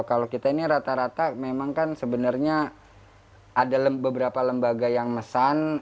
kalau kita ini rata rata memang kan sebenarnya ada beberapa lembaga yang mesan